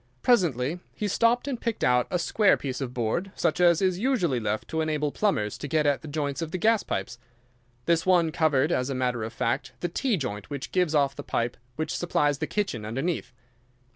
Presently he stopped and picked out a square piece of board, such as is usually left to enable plumbers to get at the joints of the gas pipes. This one covered, as a matter of fact, the T joint which gives off the pipe which supplies the kitchen underneath.